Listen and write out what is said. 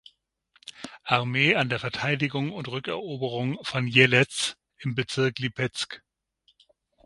Armee an der Verteidigung und Rückeroberung von Jelez im Bezirk Lipezk.